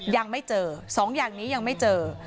ยังไม่เจอ๒อย่างนี้ยังไม่เจอ